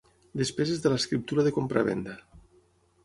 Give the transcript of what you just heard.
Despeses de l'escriptura de compravenda.